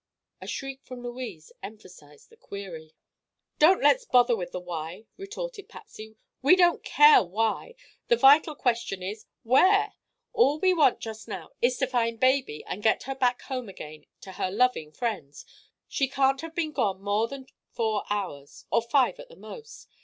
A shriek from Louise emphasised the query. "Don't let's bother with the 'why?'" retorted Patsy. "We don't care why. The vital question is 'where?' All we want, just now, is to find baby and get her back home again to her loving friends. She can't have been gone more than four hours—or five, at the most.